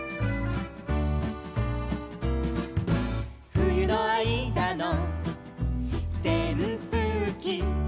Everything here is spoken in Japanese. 「ふゆのあいだのせんぷうき」